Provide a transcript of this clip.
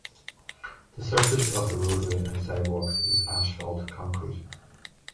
The surface of the roadway and sidewalks is asphalt concrete.